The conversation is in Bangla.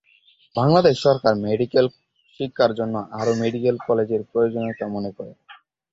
বাংলাদেশ সরকার মেডিকেল শিক্ষার জন্য আরও মেডিকেল কলেজের প্রয়োজনীয়তা মনে করে।